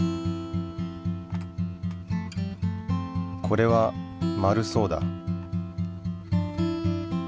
これは丸そうだ。